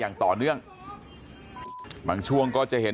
สวัสดีครับคุณผู้ชาย